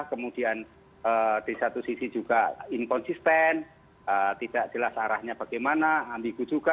kemudian di satu sisi juga inkonsisten tidak jelas arahnya bagaimana ambigu juga